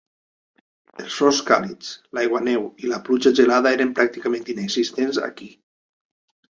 Els fronts càlids, l'aiguaneu i la pluja gelada eren pràcticament inexistents aquí.